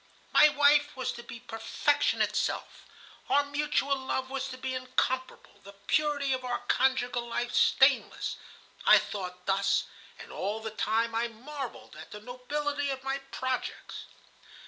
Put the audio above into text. My wife was to be perfection itself, our mutual love was to be incomparable, the purity of our conjugal life stainless. I thought thus, and all the time I marvelled at the nobility of my projects.